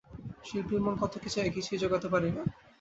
শিল্পীর মন কত কী চায়, কিছুই যোগাতে পারি না।